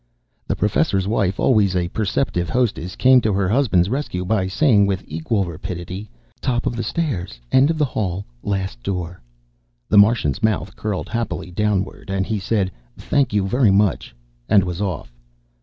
The Professor's Wife, always a perceptive hostess, came to her husband's rescue by saying with equal rapidity, "Top of the stairs, end of the hall, last door." The Martian's mouth curled happily downward and he said, "Thank you very much," and was off.